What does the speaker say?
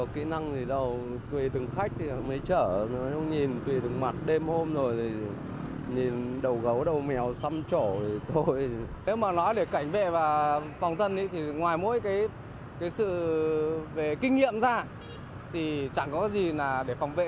kinh nghiệm ra thì chẳng có gì để phòng vệ